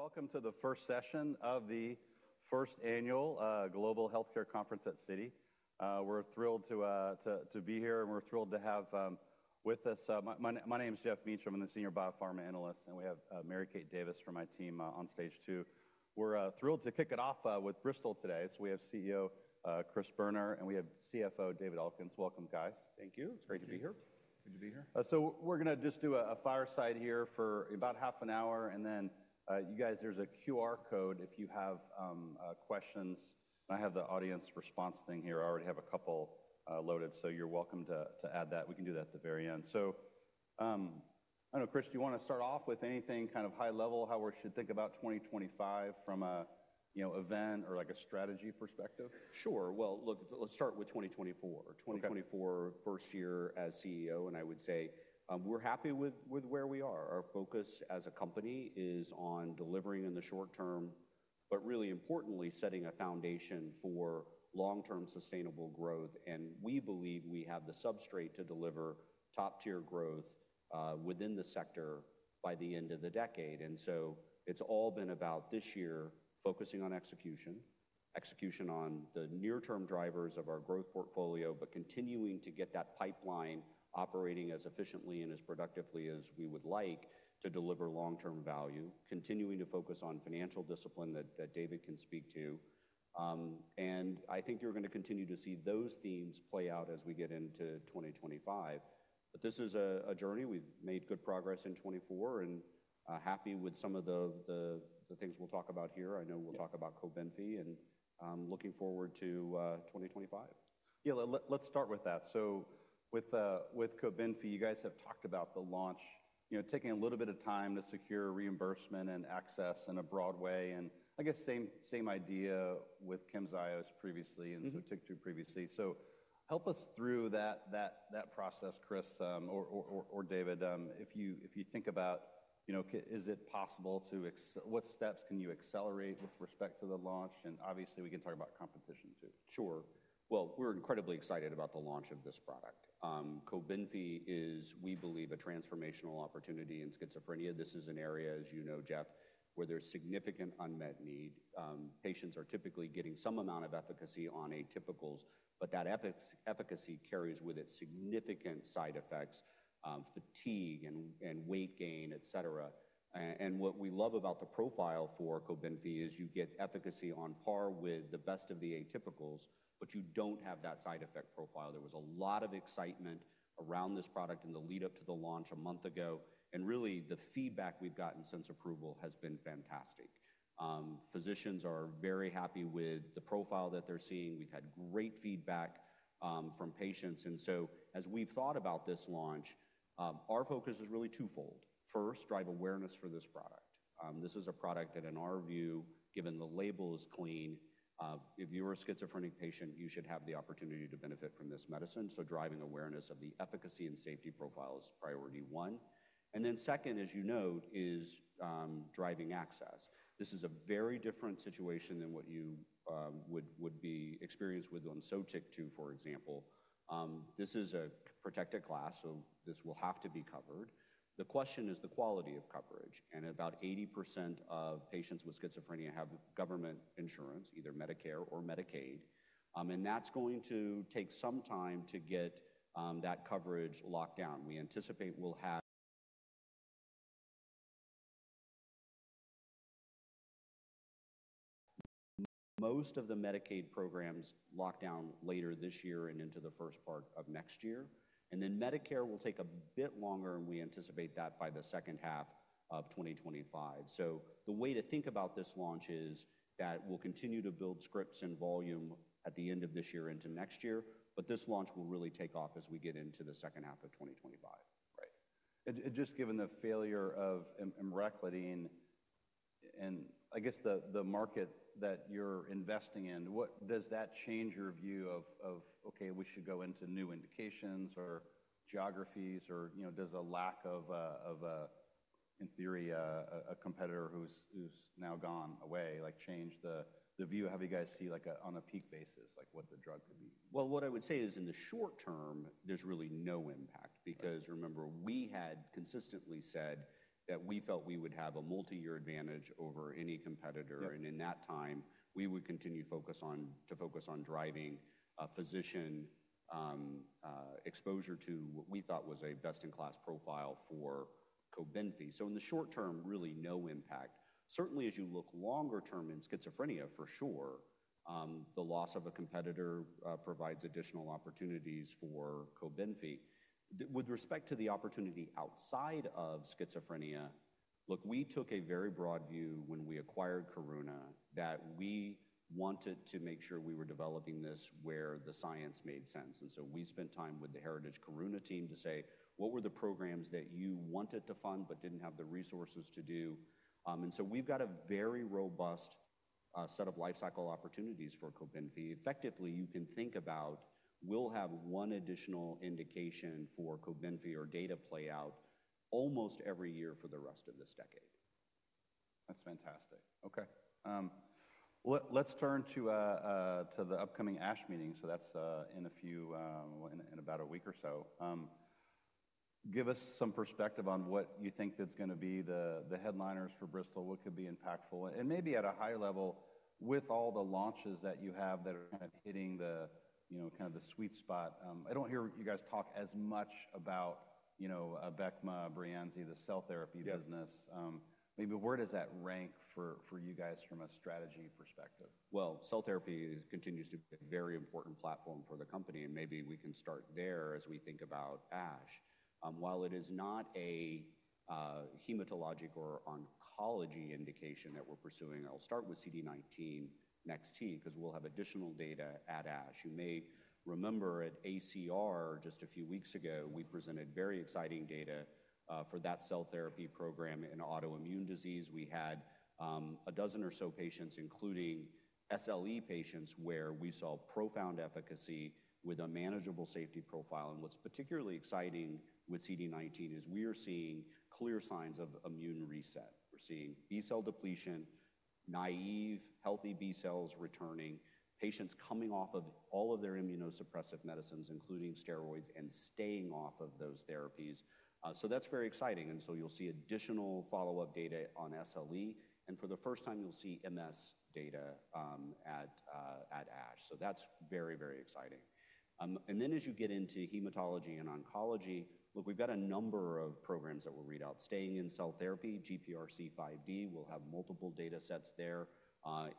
Welcome to the first session of the first annual Global Healthcare Conference at Citi. We're thrilled to be here, and we're thrilled to have with us. My name is Geoff Meacham. I'm the Senior Biopharma Analyst, and we have Mary Kate Davis from my team on stage too. We're thrilled to kick it off with Bristol today. So we have CEO Chris Boerner, and we have CFO David Elkins. Welcome, guys. Thank you. It's great to be here. Good to be here. We're going to just do a fireside here for about half an hour. And then, you guys, there's a QR code if you have questions. I have the audience response thing here. I already have a couple loaded, so you're welcome to add that. We can do that at the very end. So I don't know, Chris, do you want to start off with anything kind of high level, how we should think about 2025 from an event or like a strategy perspective? Sure. Well, look, let's start with 2024. 2024, first year as CEO, and I would say we're happy with where we are. Our focus as a company is on delivering in the short term, but really importantly, setting a foundation for long-term sustainable growth. And we believe we have the substrate to deliver top-tier growth within the sector by the end of the decade. And so it's all been about this year focusing on execution, execution on the near-term drivers of our growth portfolio, but continuing to get that pipeline operating as efficiently and as productively as we would like to deliver long-term value, continuing to focus on financial discipline that David can speak to. And I think you're going to continue to see those themes play out as we get into 2025. But this is a journey. We've made good progress in 2024 and happy with some of the things we'll talk about here. I know we'll talk about COBENFY and looking forward to 2025. Yeah, let's start with that. So with COBENFY, you guys have talked about the launch, taking a little bit of time to secure reimbursement and access in a broad way. And I guess same idea with CAMZYOS previously and so SOTYKTU previously. So help us through that process, Chris or David. If you think about, is it possible to—what steps can you accelerate with respect to the launch? And obviously, we can talk about competition too. Sure. Well, we're incredibly excited about the launch of this product. COBENFY is, we believe, a transformational opportunity in schizophrenia. This is an area, as you know, Geoff, where there's significant unmet need. Patients are typically getting some amount of efficacy on atypicals, but that efficacy carries with it significant side effects, fatigue, and weight gain, etc. And what we love about the profile for COBENFY is you get efficacy on par with the best of the atypicals, but you don't have that side effect profile. There was a lot of excitement around this product in the lead-up to the launch a month ago. And really, the feedback we've gotten since approval has been fantastic. Physicians are very happy with the profile that they're seeing. We've had great feedback from patients. And so as we've thought about this launch, our focus is really twofold. First, drive awareness for this product. This is a product that, in our view, given the label is clean, if you're a schizophrenic patient, you should have the opportunity to benefit from this medicine. So driving awareness of the efficacy and safety profile is priority one. And then second, as you note, is driving access. This is a very different situation than what you would be experienced with on SOTYKTU, for example. This is a protected class, so this will have to be covered. The question is the quality of coverage. And about 80% of patients with schizophrenia have government insurance, either Medicare or Medicaid. And that's going to take some time to get that coverage locked down. We anticipate we'll have most of the Medicaid programs locked down later this year and into the first part of next year. And then Medicare will take a bit longer, and we anticipate that by the second half of 2025. So the way to think about this launch is that we'll continue to build scripts and volume at the end of this year into next year, but this launch will really take off as we get into the second half of 2025. Right. And just given the failure of Emraclidine and I guess the market that you're investing in, does that change your view of, okay, we should go into new indications or geographies? Or does a lack of, in theory, a competitor who's now gone away, like change the view? How do you guys see on a peak basis what the drug could be? What I would say is in the short term, there's really no impact because remember, we had consistently said that we felt we would have a multi-year advantage over any competitor. In that time, we would continue to focus on driving physician exposure to what we thought was a best-in-class profile for COBENFY. In the short term, really no impact. Certainly, as you look longer term in schizophrenia, for sure, the loss of a competitor provides additional opportunities for COBENFY. With respect to the opportunity outside of schizophrenia, look, we took a very broad view when we acquired Karuna that we wanted to make sure we were developing this where the science made sense. We spent time with the heritage Karuna team to say, what were the programs that you wanted to fund but didn't have the resources to do? And so we've got a very robust set of lifecycle opportunities for COBENFY. Effectively, you can think about we'll have one additional indication for COBENFY or data play out almost every year for the rest of this decade. That's fantastic. Okay. Let's turn to the upcoming ASH meeting. So that's in a few, in about a week or so. Give us some perspective on what you think that's going to be the headliners for Bristol, what could be impactful. And maybe at a higher level, with all the launches that you have that are kind of hitting the kind of the sweet spot. I don't hear you guys talk as much about ABECMA, BREYANZI, the cell therapy business. Maybe where does that rank for you guys from a strategy perspective? Cell therapy continues to be a very important platform for the company, and maybe we can start there as we think about ASH. While it is not a hematologic or oncology indication that we're pursuing, I'll start with CD19 NEX-T because we'll have additional data at ASH. You may remember at ACR just a few weeks ago, we presented very exciting data for that cell therapy program in autoimmune disease. We had a dozen or so patients, including SLE patients, where we saw profound efficacy with a manageable safety profile. And what's particularly exciting with CD19 is we are seeing clear signs of immune reset. We're seeing B-cell depletion, naive healthy B-cells returning, patients coming off of all of their immunosuppressive medicines, including steroids, and staying off of those therapies. So that's very exciting. And so you'll see additional follow-up data on SLE. And for the first time, you'll see MS data at ASH. So that's very, very exciting. And then as you get into hematology and oncology, look, we've got a number of programs that we'll read out. Staying in cell therapy, GPRC5D, we'll have multiple data sets there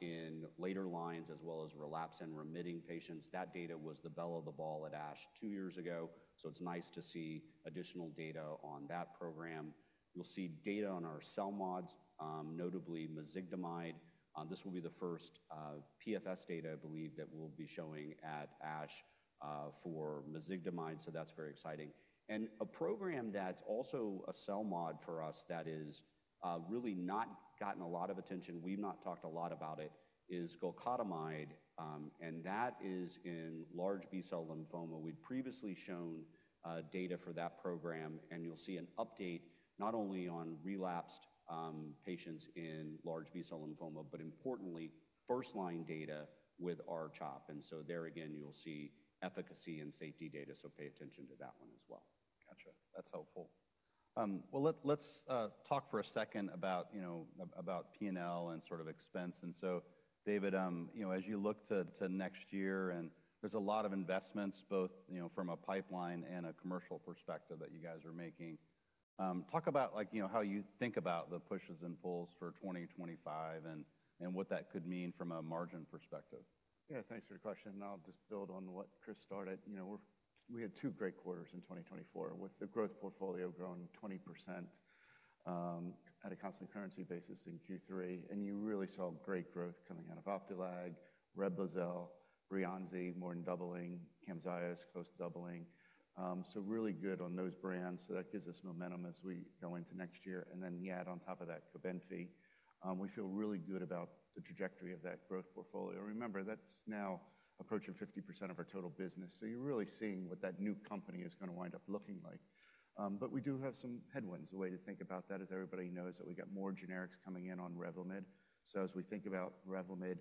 in later lines as well as relapse and remitting patients. That data was the bell of the ball at ASH two years ago. So it's nice to see additional data on that program. You'll see data on our CELMoDs, notably mezigdomide. This will be the first PFS data, I believe, that we'll be showing at ASH for mezigdomide. So that's very exciting. And a program that's also a cell mod for us that has really not gotten a lot of attention, we've not talked a lot about it, is golcadomide. And that is in large B-cell lymphoma. We'd previously shown data for that program, and you'll see an update not only on relapsed patients in large B-cell lymphoma, but importantly, first-line data with our R-CHOP, and so there again, you'll see efficacy and safety data, so pay attention to that one as well. Gotcha. That's helpful. Let's talk for a second about P&L and sort of expense. David, as you look to next year, and there's a lot of investments both from a pipeline and a commercial perspective that you guys are making. Talk about how you think about the pushes and pulls for 2025 and what that could mean from a margin perspective. Yeah, thanks for your question. I'll just build on what Chris started. We had two great quarters in 2024 with the growth portfolio growing 20% at a constant currency basis in Q3. And you really saw great growth coming out of Opdualag, REBLOZYL, BREYANZI, more than doubling, CAMZYOS close to doubling. So really good on those brands. So that gives us momentum as we go into next year. And then yet on top of that, COBENFY. We feel really good about the trajectory of that growth portfolio. Remember, that's now approaching 50% of our total business. So you're really seeing what that new company is going to wind up looking like. But we do have some headwinds the way to think about that, as everybody knows that we got more generics coming in on REVLIMID. So as we think about REVLIMID,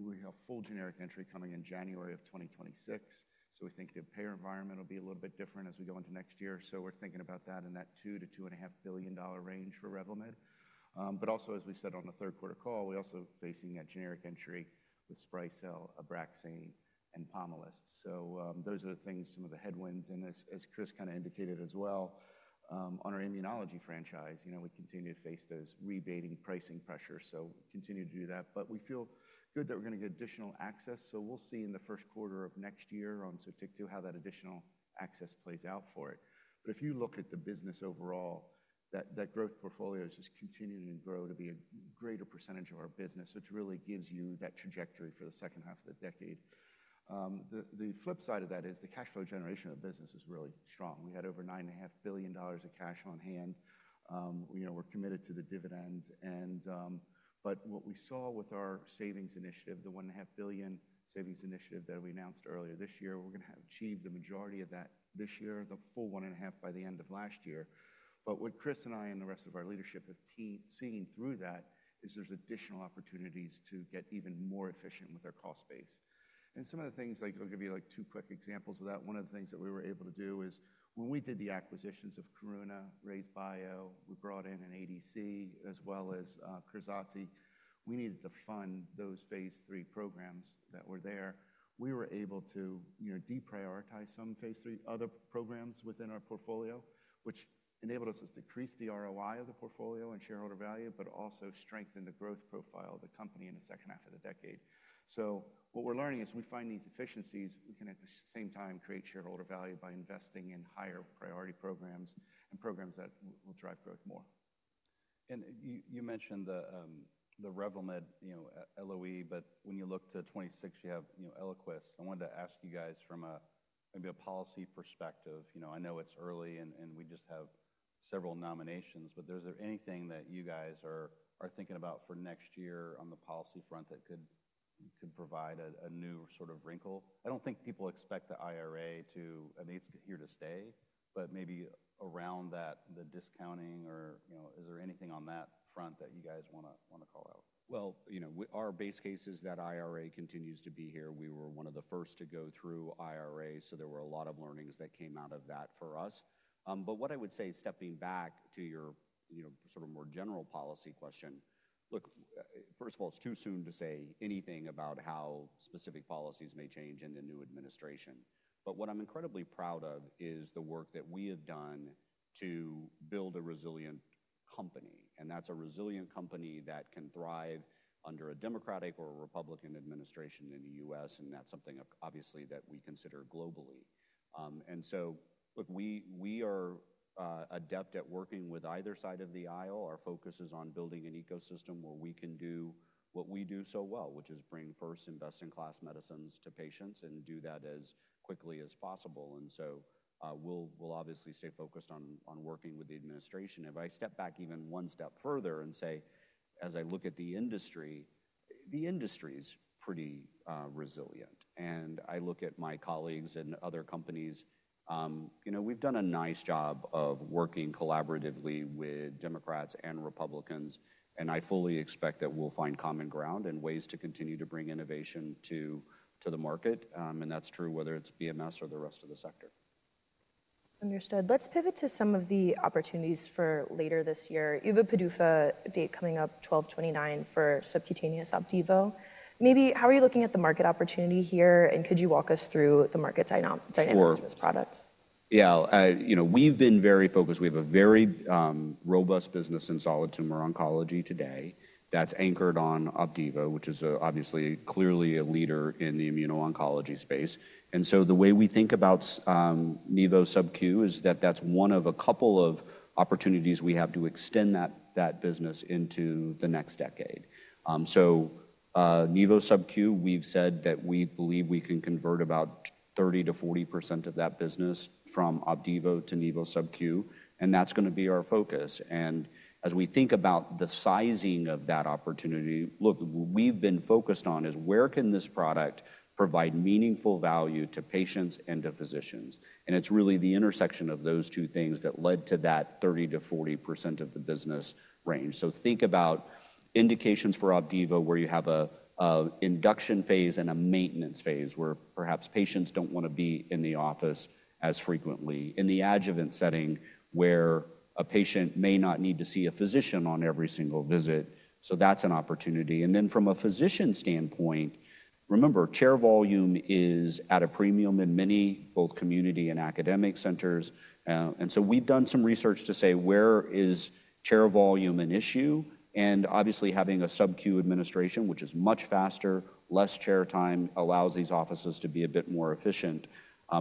we have full generic entry coming in January of 2026. So we think the payer environment will be a little bit different as we go into next year. So we're thinking about that in that $2 billion-$2.5 billion range for REVLIMID. But also, as we said on the third quarter call, we're also facing that generic entry with SPRYCEL, ABRAXANE, and POMALYST. So those are the things, some of the headwinds in this, as Chris kind of indicated as well. On our immunology franchise, we continue to face those rebating pricing pressures. So continue to do that. But we feel good that we're going to get additional access. So we'll see in the first quarter of next year on SOTYKTU how that additional access plays out for it. But if you look at the business overall, that growth portfolio is just continuing to grow to be a greater percentage of our business, which really gives you that trajectory for the second half of the decade. The flip side of that is the cash flow generation of the business is really strong. We had over $9.5 billion of cash on hand. We're committed to the dividend. But what we saw with our savings initiative, the $1.5 billion savings initiative that we announced earlier this year, we're going to have achieved the majority of that this year, the full $1.5 billion by the end of last year. But what Chris and I and the rest of our leadership have seen through that is there's additional opportunities to get even more efficient with our cost base. Some of the things, I'll give you two quick examples of that. One of the things that we were able to do is when we did the acquisitions of Karuna, RayzeBio, we brought in an ADC as well as KRAZATI. We needed to fund those phase III programs that were there. We were able to deprioritize some phase III other programs within our portfolio, which enabled us to increase the ROI of the portfolio and shareholder value, but also strengthen the growth profile of the company in the second half of the decade. What we're learning is we find these efficiencies, we can at the same time create shareholder value by investing in higher priority programs and programs that will drive growth more. And you mentioned the REVLIMID LOE, but when you look to 2026, you have ELIQUIS. I wanted to ask you guys from maybe a policy perspective. I know it's early and we just have several nominations, but is there anything that you guys are thinking about for next year on the policy front that could provide a new sort of wrinkle? I don't think people expect the IRA to, I mean, it's here to stay, but maybe around that, the discounting or is there anything on that front that you guys want to call out? Our base case is that IRA continues to be here. We were one of the first to go through IRA, so there were a lot of learnings that came out of that for us. But what I would say is stepping back to your sort of more general policy question, look, first of all, it's too soon to say anything about how specific policies may change in the new administration. But what I'm incredibly proud of is the work that we have done to build a resilient company. And that's a resilient company that can thrive under a Democratic or a Republican administration in the U.S. And that's something obviously that we consider globally. And so, look, we are adept at working with either side of the aisle. Our focus is on building an ecosystem where we can do what we do so well, which is bring first and best-in-class medicines to patients and do that as quickly as possible. And so we'll obviously stay focused on working with the administration. If I step back even one step further and say, as I look at the industry, the industry is pretty resilient. And I look at my colleagues and other companies, we've done a nice job of working collaboratively with Democrats and Republicans. And I fully expect that we'll find common ground and ways to continue to bring innovation to the market. And that's true whether it's BMS or the rest of the sector. Understood. Let's pivot to some of the opportunities for later this year. PDUFA date coming up, 12/29 for subcutaneous OPDIVO. Maybe how are you looking at the market opportunity here? And could you walk us through the market dynamics of this product? Yeah, we've been very focused. We have a very robust business in solid tumor oncology today that's anchored on OPDIVO, which is obviously clearly a leader in the immuno-oncology space. And so the way we think about nivo SubQ is that that's one of a couple of opportunities we have to extend that business into the next decade. So nivo SubQ, we've said that we believe we can convert about 30%-40% of that business from OPDIVO to nivo SubQ. And that's going to be our focus. And as we think about the sizing of that opportunity, look, what we've been focused on is where can this product provide meaningful value to patients and to physicians. And it's really the intersection of those two things that led to that 30%-40% of the business range. Think about indications for OPDIVO where you have an induction phase and a maintenance phase where perhaps patients don't want to be in the office as frequently. In the adjuvant setting where a patient may not need to see a physician on every single visit. That's an opportunity. Then from a physician standpoint, remember, chair volume is at a premium in many both community and academic centers. So we've done some research to say where is chair volume an issue. Obviously having a SubQ administration, which is much faster, less chair time, allows these offices to be a bit more efficient.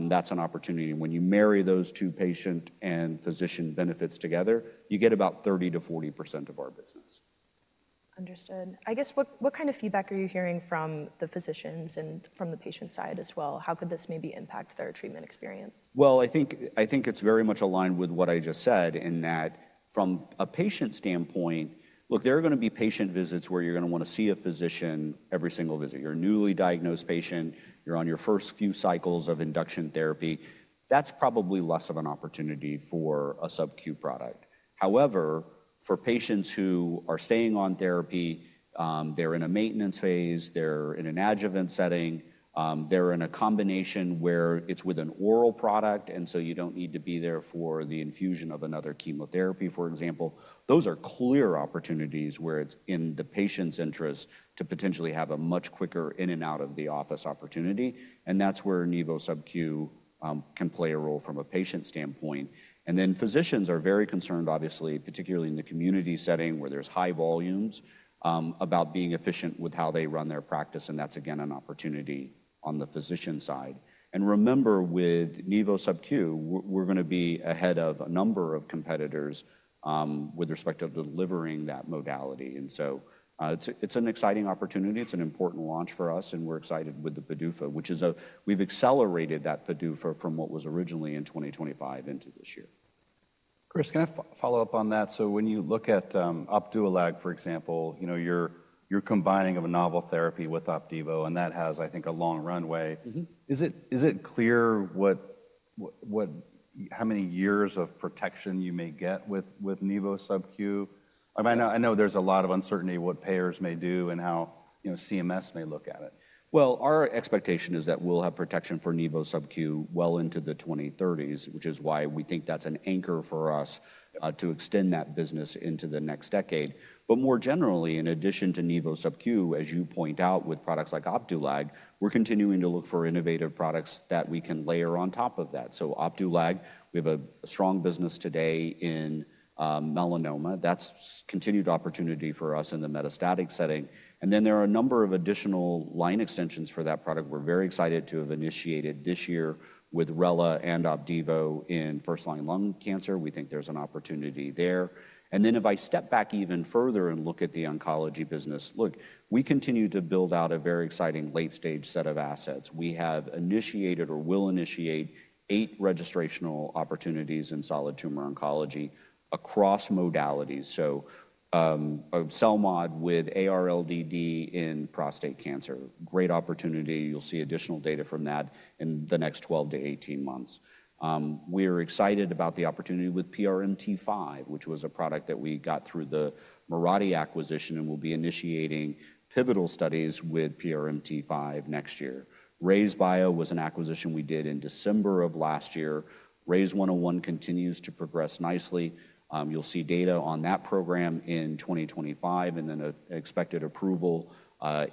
That's an opportunity. When you marry those two patient and physician benefits together, you get about 30%-40% of our business. Understood. I guess what kind of feedback are you hearing from the physicians and from the patient side as well? How could this maybe impact their treatment experience? I think it's very much aligned with what I just said in that from a patient standpoint, look, there are going to be patient visits where you're going to want to see a physician every single visit. You're a newly diagnosed patient. You're on your first few cycles of induction therapy. That's probably less of an opportunity for a SubQ product. However, for patients who are staying on therapy, they're in a maintenance phase, they're in an adjuvant setting, they're in a combination where it's with an oral product, and so you don't need to be there for the infusion of another chemotherapy, for example. Those are clear opportunities where it's in the patient's interest to potentially have a much quicker in and out of the office opportunity. And that's where nivo SubQ can play a role from a patient standpoint. And then, physicians are very concerned, obviously, particularly in the community setting where there's high volumes about being efficient with how they run their practice. And that's, again, an opportunity on the physician side. And remember, with nivo SubQ, we're going to be ahead of a number of competitors with respect to delivering that modality. And so it's an exciting opportunity. It's an important launch for us. And we're excited with the PDUFA, which we've accelerated that PDUFA from what was originally in 2025 into this year. Chris, can I follow up on that? So when you look at Opdualag, for example, you're combining a novel therapy with OPDIVO, and that has, I think, a long runway. Is it clear how many years of protection you may get with nivo SubQ? I know there's a lot of uncertainty what payers may do and how CMS may look at it. Our expectation is that we'll have protection for nivo SubQ well into the 2030s, which is why we think that's an anchor for us to extend that business into the next decade. But more generally, in addition to nivo SubQ, as you point out with products like Opdualag, we're continuing to look for innovative products that we can layer on top of that. So Opdualag, we have a strong business today in melanoma. That's continued opportunity for us in the metastatic setting. And then there are a number of additional line extensions for that product we're very excited to have initiated this year with Rela and OPDIVO in first-line lung cancer. We think there's an opportunity there. And then if I step back even further and look at the oncology business, look, we continue to build out a very exciting late-stage set of assets. We have initiated or will initiate eight registrational opportunities in solid tumor oncology across modalities, so CELMoD with AR LDD in prostate cancer. Great opportunity. You'll see additional data from that in the next 12-18 months. We are excited about the opportunity with PRMT5, which was a product that we got through the Mirati acquisition and will be initiating pivotal studies with PRMT5 next year. RayzeBio was an acquisition we did in December of last year. RYZ101 continues to progress nicely. You'll see data on that program in 2025 and then expected approval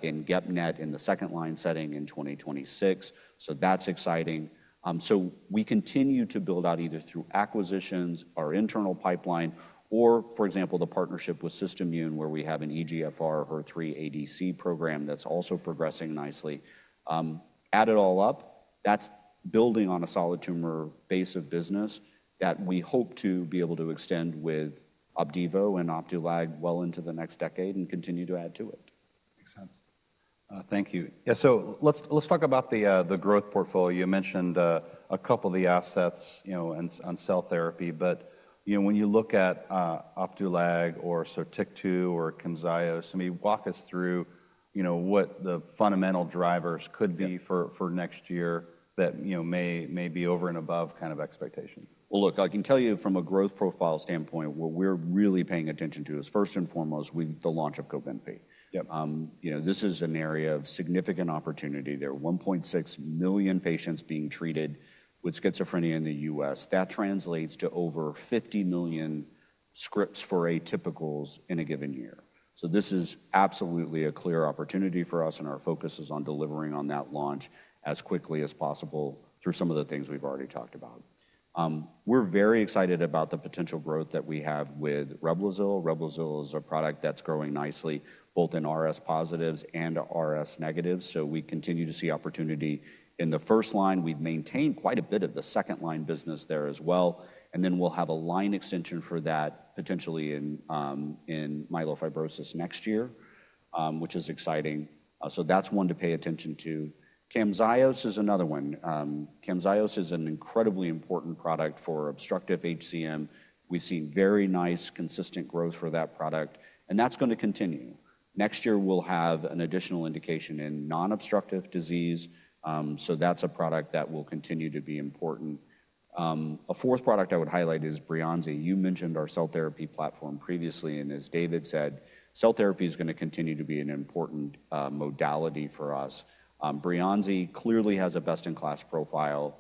in GEP-NET in the second line setting in 2026. That's exciting, so we continue to build out either through acquisitions, our internal pipeline, or, for example, the partnership with SystImmune where we have an EGFR HER3 ADC program that's also progressing nicely. Add it all up, that's building on a solid tumor base of business that we hope to be able to extend with OPDIVO and Opdualag well into the next decade and continue to add to it. Makes sense. Thank you. Yeah, so let's talk about the growth portfolio. You mentioned a couple of the assets on cell therapy, but when you look at Opdualag or SOTYKTU or CAMZYOS, maybe walk us through what the fundamental drivers could be for next year that may be over and above kind of expectation? Look, I can tell you from a growth profile standpoint, what we're really paying attention to is first and foremost, the launch of COBENFY. This is an area of significant opportunity. There are 1.6 million patients being treated with schizophrenia in the U.S. That translates to over 50 million scripts for atypicals in a given year. So this is absolutely a clear opportunity for us, and our focus is on delivering on that launch as quickly as possible through some of the things we've already talked about. We're very excited about the potential growth that we have with REBLOZYL. REBLOZYL is a product that's growing nicely, both in RS positives and RS negatives. So we continue to see opportunity in the first line. We've maintained quite a bit of the second line business there as well. And then we'll have a line extension for that potentially in myelofibrosis next year, which is exciting. So that's one to pay attention to. CAMZYOS is another one. CAMZYOS is an incredibly important product for obstructive HCM. We've seen very nice consistent growth for that product, and that's going to continue. Next year, we'll have an additional indication in non-obstructive disease. So that's a product that will continue to be important. A fourth product I would highlight is BREYANZI. You mentioned our cell therapy platform previously, and as David said, cell therapy is going to continue to be an important modality for us. BREYANZI, clearly, has a best-in-class profile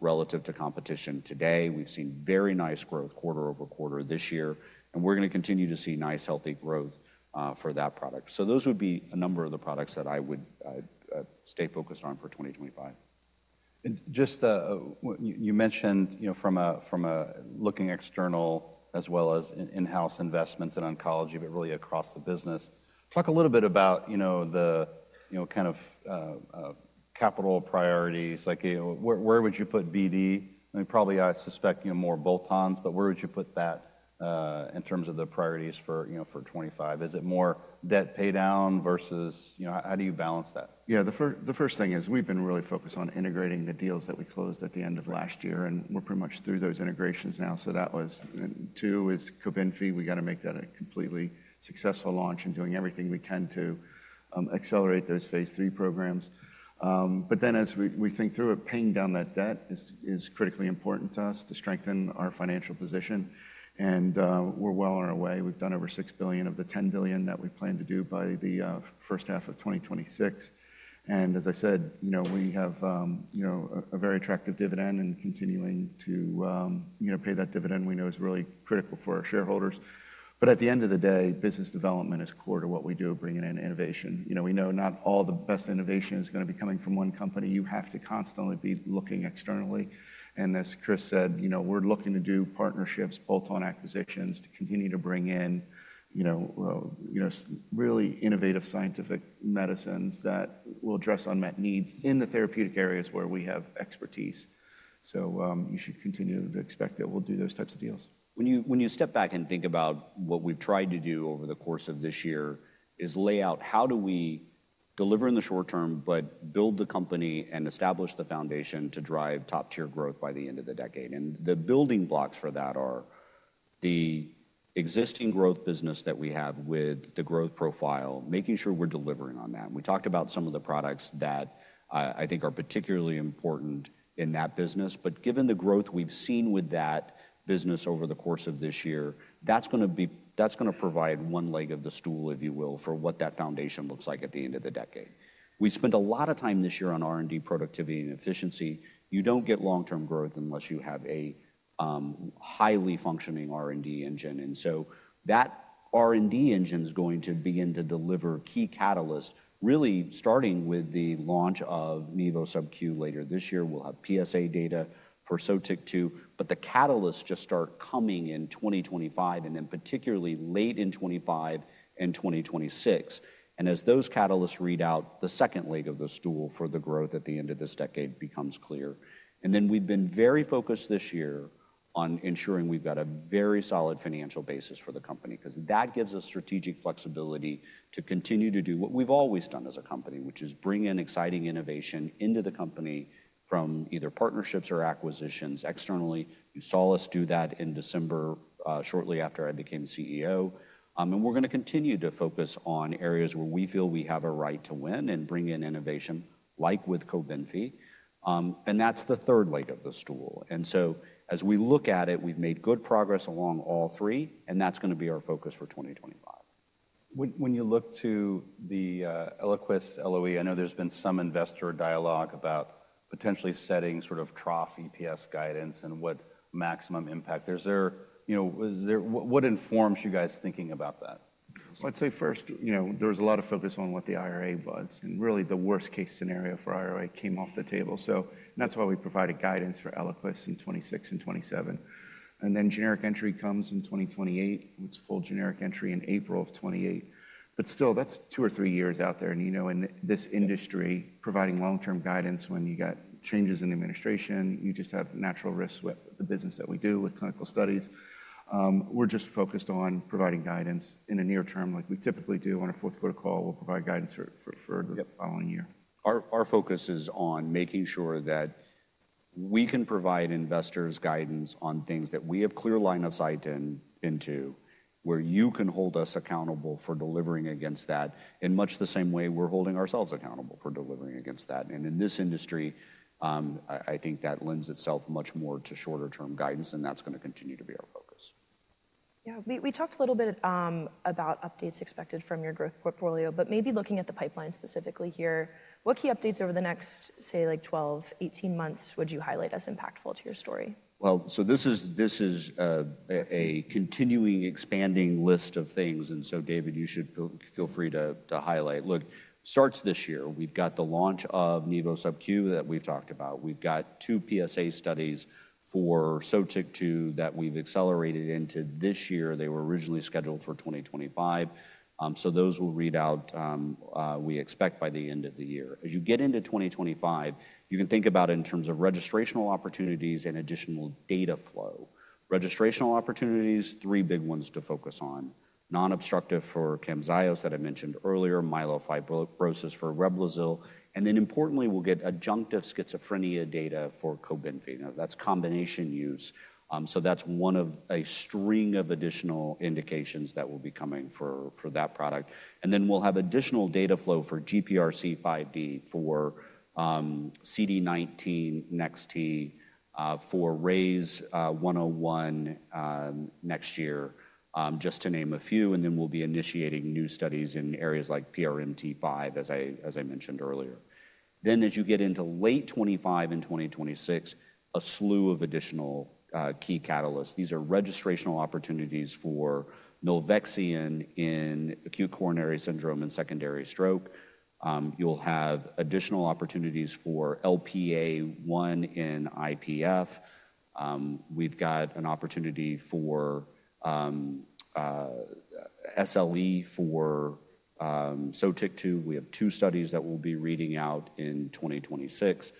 relative to competition today. We've seen very nice growth quarter-over-quarter this year, and we're going to continue to see nice healthy growth for that product. Those would be a number of the products that I would stay focused on for 2025. You just mentioned, from a looking external as well as in-house investments in oncology, but really across the business. Talk a little bit about the kind of capital priorities. Where would you put BD? I mean, probably I suspect more bolt-ons, but where would you put that in terms of the priorities for 2025? Is it more debt pay down versus how do you balance that? Yeah, the first thing is we've been really focused on integrating the deals that we closed at the end of last year, and we're pretty much through those integrations now. So that was two is COBENFY. We got to make that a completely successful launch and doing everything we can to accelerate those phase III programs. But then as we think through it, paying down that debt is critically important to us to strengthen our financial position. And we're well on our way. We've done over $6 billion of the $10 billion that we plan to do by the first half of 2026. And as I said, we have a very attractive dividend and continuing to pay that dividend we know is really critical for our shareholders. But at the end of the day, business development is core to what we do, bringing in innovation. We know not all the best innovation is going to be coming from one company. You have to constantly be looking externally, and as Chris said, we're looking to do partnerships, bolt-on acquisitions to continue to bring in really innovative scientific medicines that will address unmet needs in the therapeutic areas where we have expertise, so you should continue to expect that we'll do those types of deals. When you step back and think about what we've tried to do over the course of this year is lay out how do we deliver in the short term, but build the company and establish the foundation to drive top-tier growth by the end of the decade, and the building blocks for that are the existing growth business that we have with the growth profile, making sure we're delivering on that. We talked about some of the products that I think are particularly important in that business. But given the growth we've seen with that business over the course of this year, that's going to provide one leg of the stool, if you will, for what that foundation looks like at the end of the decade. We spent a lot of time this year on R&D productivity and efficiency. You don't get long-term growth unless you have a highly functioning R&D engine. And so that R&D engine is going to begin to deliver key catalysts, really starting with the launch of nivo SubQ later this year. We'll have PSA data for SOTYKTU, but the catalysts just start coming in 2025 and then particularly late in 2025 and 2026. And as those catalysts read out, the second leg of the stool for the growth at the end of this decade becomes clear. And then we've been very focused this year on ensuring we've got a very solid financial basis for the company because that gives us strategic flexibility to continue to do what we've always done as a company, which is bring in exciting innovation into the company from either partnerships or acquisitions externally. You saw us do that in December shortly after I became CEO. And we're going to continue to focus on areas where we feel we have a right to win and bring in innovation like with COBENFY. And that's the third leg of the stool. And so as we look at it, we've made good progress along all three, and that's going to be our focus for 2025. When you look to the ELIQUIS LOE, I know there's been some investor dialogue about potentially setting sort of trough EPS guidance and what maximum impact is there? What informs you guys thinking about that? I'd say first, there was a lot of focus on what the IRA was. And really the worst-case scenario for IRA came off the table. So that's why we provided guidance for ELIQUIS in 2026 and 2027. And then generic entry comes in 2028. It's full generic entry in April of 2028. But still, that's two or three years out there. And in this industry, providing long-term guidance when you got changes in administration, you just have natural risks with the business that we do with clinical studies. We're just focused on providing guidance in the near term. Like we typically do on a fourth quarter call, we'll provide guidance for the following year. Our focus is on making sure that we can provide investors guidance on things that we have clear line of sight into, where you can hold us accountable for delivering against that in much the same way we're holding ourselves accountable for delivering against that, and in this industry, I think that lends itself much more to shorter-term guidance, and that's going to continue to be our focus. Yeah, we talked a little bit about updates expected from your growth portfolio, but maybe looking at the pipeline specifically here, what key updates over the next, say, like 12, 18 months would you highlight as impactful to your story? Well, so this is a continually expanding list of things. And so David, you should feel free to highlight. Look, starts this year. We've got the launch of nivo SubQ that we've talked about. We've got two PSA studies for SOTYKTU that we've accelerated into this year. They were originally scheduled for 2025. So those will read out, we expect, by the end of the year. As you get into 2025, you can think about it in terms of registrational opportunities and additional data flow. Registrational opportunities, three big ones to focus on. Non-obstructive for CAMZYOS that I mentioned earlier, myelofibrosis for REBLOZYL. And then importantly, we'll get adjunctive schizophrenia data for COBENFY. That's combination use. So that's one of a string of additional indications that will be coming for that product. And then we'll have additional data flow for GPRC5D, for CD19 NEX-T, for RYZ101 next year, just to name a few. And then we'll be initiating new studies in areas like PRMT5, as I mentioned earlier. Then as you get into late 2025 and 2026, a slew of additional key catalysts. These are registrational opportunities for Milvexian in acute coronary syndrome and secondary stroke. You'll have additional opportunities for LPA1 in IPF. We've got an opportunity for SLE for SOTYKTU. We have two studies that we'll be reading out in 2026.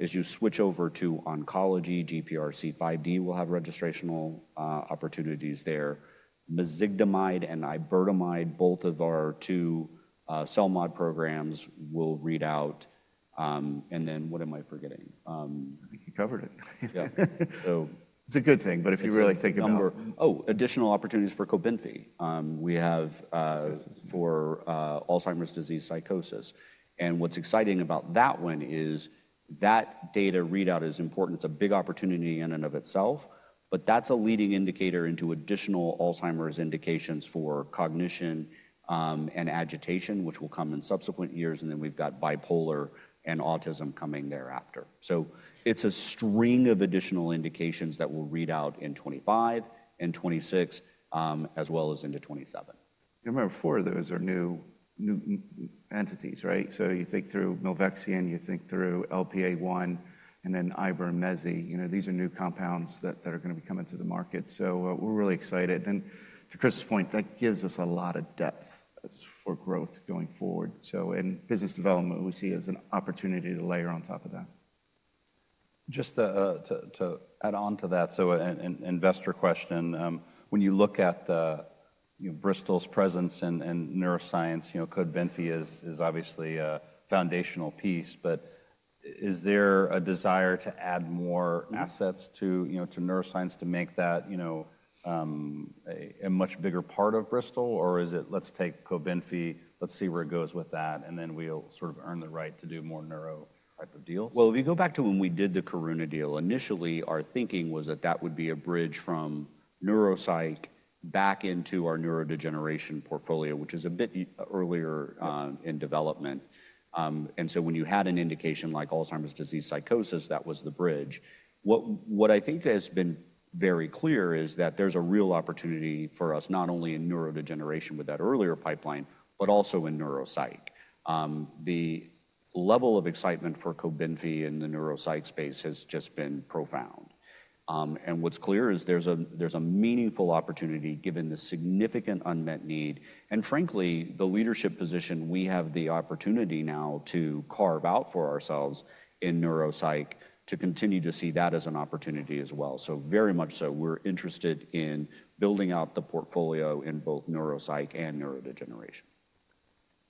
As you switch over to oncology, GPRC5D will have registrational opportunities there. Mezigdomide and iberdomide, both of our two CELMoD programs will read out. And then what am I forgetting? I think you covered it. Yeah. So it's a good thing, but if you really think about. Oh, additional opportunities for COBENFY. We have for Alzheimer's disease psychosis. And what's exciting about that one is that data readout is important. It's a big opportunity in and of itself, but that's a leading indicator into additional Alzheimer's indications for cognition and agitation, which will come in subsequent years. And then we've got bipolar and autism coming thereafter. So it's a string of additional indications that will read out in 2025 and 2026, as well as into 2027. Remember, four of those are new entities, right? So you think through milvexian, you think through LPA1, and then Iberdomide. These are new compounds that are going to be coming to the market. So we're really excited. And to Chris's point, that gives us a lot of depth for growth going forward. So in business development, we see it as an opportunity to layer on top of that. Just to add on to that, so an investor question, when you look at Bristol's presence in neuroscience, COBENFY is obviously a foundational piece, but is there a desire to add more assets to neuroscience to make that a much bigger part of Bristol, or is it, let's take COBENFY, let's see where it goes with that, and then we'll sort of earn the right to do more neuro type of deal? Well, if you go back to when we did the Karuna deal, initially our thinking was that that would be a bridge from neuropsych back into our neurodegeneration portfolio, which is a bit earlier in development. And so when you had an indication like Alzheimer's disease psychosis, that was the bridge. What I think has been very clear is that there's a real opportunity for us not only in neurodegeneration with that earlier pipeline, but also in neuropsych. The level of excitement for COBENFY in the neuropsych space has just been profound. And what's clear is there's a meaningful opportunity given the significant unmet need. And frankly, the leadership position, we have the opportunity now to carve out for ourselves in neuropsych to continue to see that as an opportunity as well. So very much so, we're interested in building out the portfolio in both neuropsych and neurodegeneration.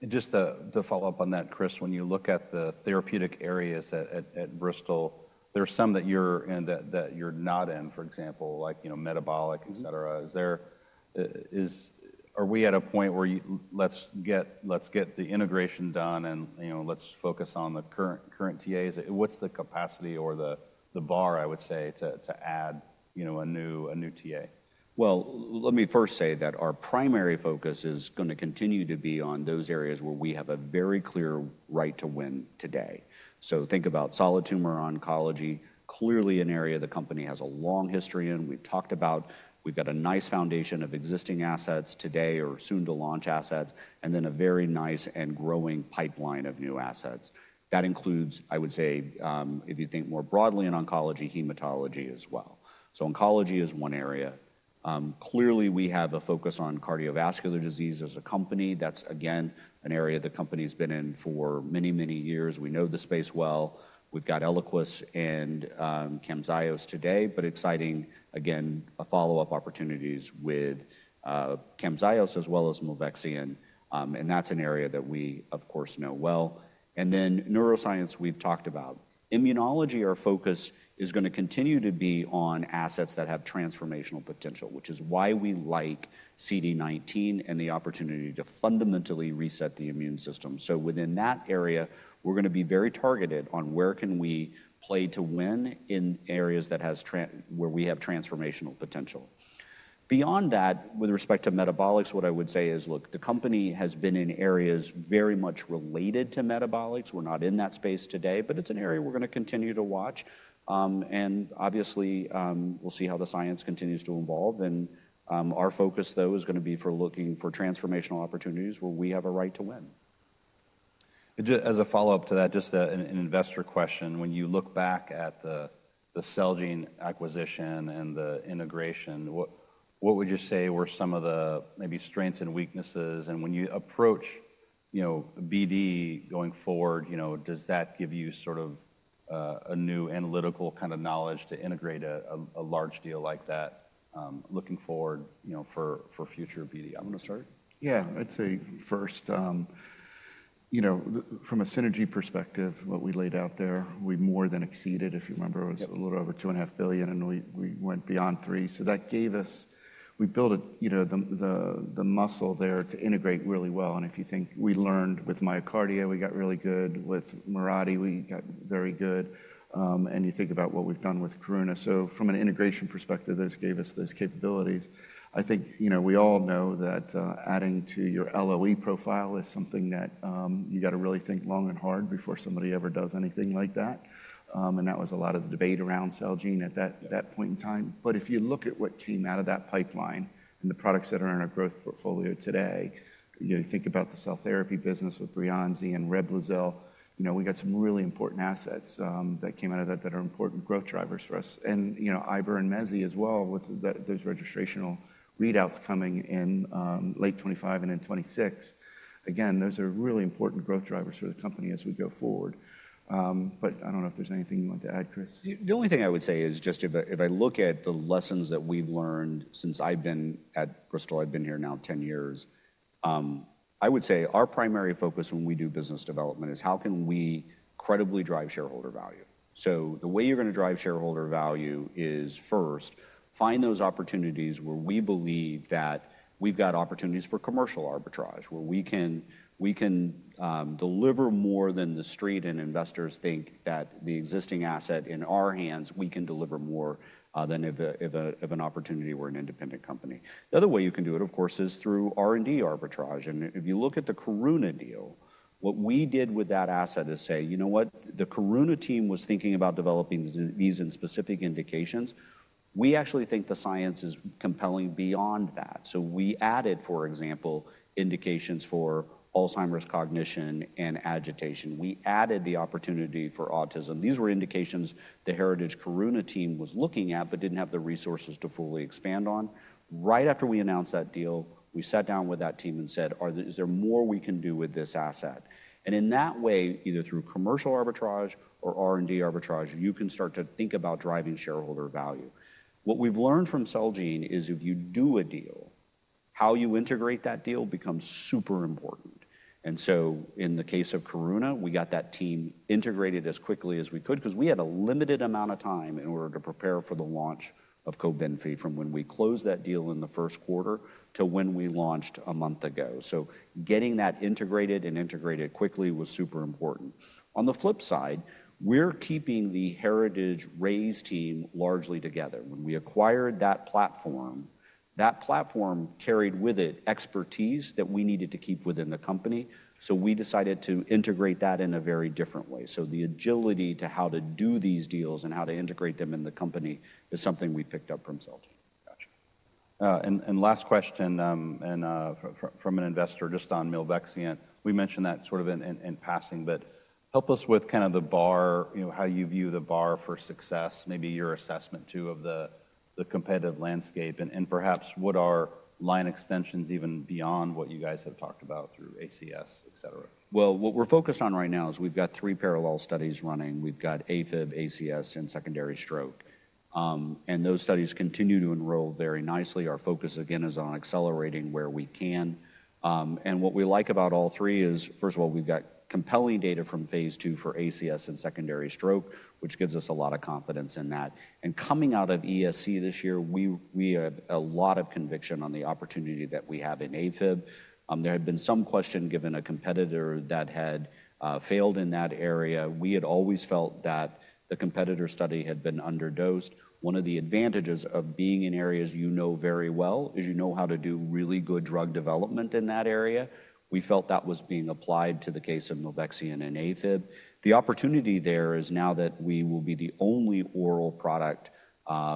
And just to follow up on that, Chris, when you look at the therapeutic areas at Bristol, there are some that you're not in, for example, like metabolic, et cetera. Are we at a point where let's get the integration done and let's focus on the current TAs? What's the capacity or the bar, I would say, to add a new TA? Let me first say that our primary focus is going to continue to be on those areas where we have a very clear right to win today. Think about solid tumor oncology, clearly an area the company has a long history in. We've talked about. We've got a nice foundation of existing assets today or soon to launch assets, and then a very nice and growing pipeline of new assets. That includes, I would say, if you think more broadly in oncology, hematology as well. Oncology is one area. Clearly, we have a focus on cardiovascular disease as a company. That's, again, an area the company's been in for many, many years. We know the space well. We've got ELIQUIS and CAMZYOS today, but exciting, again, follow-up opportunities with CAMZYOS as well as milvexian. That's an area that we, of course, know well. And then, neuroscience, we've talked about. Immunology, our focus is going to continue to be on assets that have transformational potential, which is why we like CD19 and the opportunity to fundamentally reset the immune system. So within that area, we're going to be very targeted on where can we play to win in areas where we have transformational potential. Beyond that, with respect to metabolics, what I would say is, look, the company has been in areas very much related to metabolics. We're not in that space today, but it's an area we're going to continue to watch. And obviously, we'll see how the science continues to evolve. And our focus, though, is going to be for looking for transformational opportunities where we have a right to win. As a follow-up to that, just an investor question, when you look back at the Celgene acquisition and the integration, what would you say were some of the maybe strengths and weaknesses? And when you approach BD going forward, does that give you sort of a new analytical kind of knowledge to integrate a large deal like that looking forward for future BD? I'm going to start. Yeah, I'd say first, from a synergy perspective, what we laid out there, we more than exceeded. If you remember, it was a little over $2.5 billion, and we went beyond $3 billion. So that gave us. We built the muscle there to integrate really well. And if you think, we learned with MyoKardia. We got really good. With Mirati, we got very good. And you think about what we've done with Karuna. So from an integration perspective, this gave us those capabilities. I think we all know that adding to your LOE profile is something that you got to really think long and hard before somebody ever does anything like that. And that was a lot of the debate around Celgene at that point in time. But if you look at what came out of that pipeline and the products that are in our growth portfolio today, you think about the cell therapy business with BREYANZI and REBLOZYL, we got some really important assets that came out of that that are important growth drivers for us. And iber and mezi as well, with those registrational readouts coming in late 2025 and in 2026. Again, those are really important growth drivers for the company as we go forward. But I don't know if there's anything you want to add, Chris. The only thing I would say is just if I look at the lessons that we've learned since I've been at Bristol, I've been here now 10 years, I would say our primary focus when we do business development is how can we credibly drive shareholder value. So the way you're going to drive shareholder value is first, find those opportunities where we believe that we've got opportunities for commercial arbitrage, where we can deliver more than the street and investors think that the existing asset in our hands, we can deliver more than if an opportunity were an independent company. The other way you can do it, of course, is through R&D arbitrage. And if you look at the Karuna deal, what we did with that asset is say, you know what, the Karuna team was thinking about developing these in specific indications. We actually think the science is compelling beyond that. So we added, for example, indications for Alzheimer's cognition and agitation. We added the opportunity for autism. These were indications the Karuna team was looking at, but didn't have the resources to fully expand on. Right after we announced that deal, we sat down with that team and said, Is there more we can do with this asset? And in that way, either through commercial arbitrage or R&D arbitrage, you can start to think about driving shareholder value. What we've learned from Celgene is if you do a deal, how you integrate that deal becomes super important. And so in the case of Karuna, we got that team integrated as quickly as we could because we had a limited amount of time in order to prepare for the launch of COBENFY from when we closed that deal in the first quarter to when we launched a month ago. So getting that integrated and integrated quickly was super important. On the flip side, we're keeping the heritage Rayze team largely together. When we acquired that platform, that platform carried with it expertise that we needed to keep within the company. So we decided to integrate that in a very different way. So the agility to how to do these deals and how to integrate them in the company is something we picked up from Celgene. Gotcha. And last question from an investor, just on milvexian. We mentioned that sort of in passing, but help us with kind of the bar, how you view the bar for success, maybe your assessment too of the competitive landscape, and perhaps what are line extensions even beyond what you guys have talked about through ACS, et cetera. What we're focused on right now is we've got three parallel studies running. We've got AFib, ACS, and secondary stroke. Those studies continue to enroll very nicely. Our focus, again, is on accelerating where we can. What we like about all three is, first of all, we've got compelling data from phase II for ACS and secondary stroke, which gives us a lot of confidence in that. Coming out of ESC this year, we had a lot of conviction on the opportunity that we have in AFib. There had been some question given a competitor that had failed in that area. We had always felt that the competitor study had been underdosed. One of the advantages of being in areas you know very well is you know how to do really good drug development in that area. We felt that was being applied to the case of milvexian and AFib. The opportunity there is now that we will be the only oral product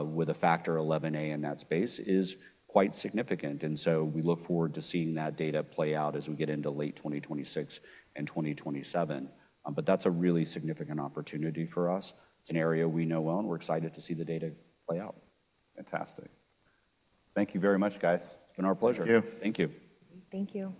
with a Factor XIa in that space is quite significant, and so we look forward to seeing that data play out as we get into late 2026 and 2027, but that's a really significant opportunity for us. It's an area we know well and we're excited to see the data play out. Fantastic. Thank you very much, guys. It's been our pleasure. Thank you. Thank you. Thank you.